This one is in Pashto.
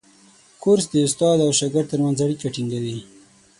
کورس د استاد او شاګرد ترمنځ اړیکه ټینګوي.